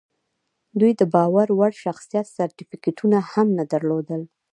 دوی د باور وړ شخصیت سرټیفیکټونه هم نه درلودل